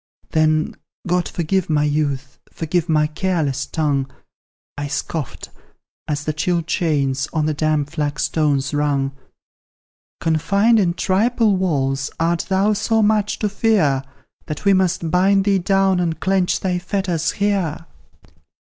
Then, God forgive my youth; forgive my careless tongue; I scoffed, as the chill chains on the damp flagstones rung: "Confined in triple walls, art thou so much to fear, That we must bind thee down and clench thy fetters here?"